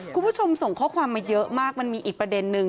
คุณผู้ชมส่งข้อความมาเยอะมากมันมีอีกประเด็นนึง